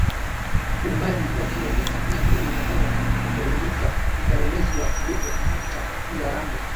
umbali wa kilometa mia mbili na moja na nilipouliza nikaelekezwa kilipo Kijiji cha Ngarambe